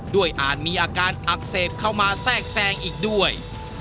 อาจมีอาการอักเสบเข้ามาแทรกแทรงอีกด้วย